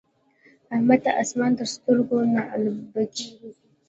احمد ته اسمان تر سترګو نعلبکی ورځي.